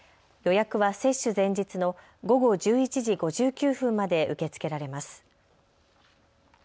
予約は接種前日の午後１１時５９分まで受け付けられます。